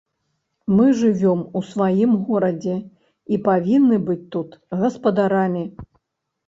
Мы жывём у сваім горадзе і павінны быць тут гаспадарамі.